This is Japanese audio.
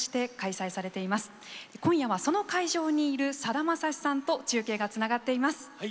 今夜はその会場にいるさだまさしさんと中継がつながっています。